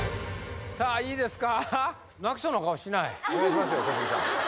さあいいですか・